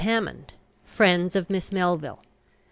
HAMMOND, friends of Miss Melville.